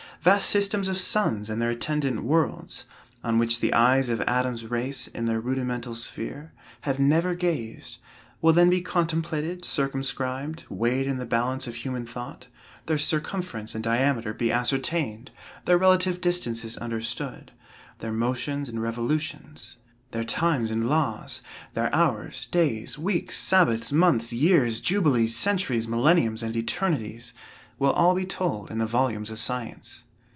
Vast systems of suns and their attendant worlds, on which the eyes of Adam's race, in their rudimental sphere, have never gazed, will then be contemplated, circumscribed, weighed in the balance of human thought, their circumference and diameter be ascertained, their relative distances understood. Their motions and revolutions, their times and laws, their hours, days, weeks, sabbaths, months, years, jubilees, centuries, millenniums and eternities, will all be told in the volumes of science.